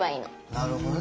なるほどね。